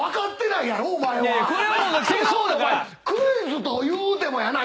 クイズというてもやな。